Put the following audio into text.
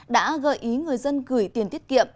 đã gợi ý người dân gửi tiền tiết kiệm